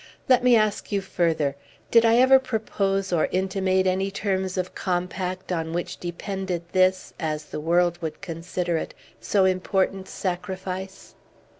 Let me ask you, further, did I ever propose or intimate any terms of compact, on which depended this as the world would consider it so important sacrifice?"